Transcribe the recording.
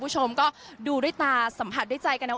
ใช่ไหม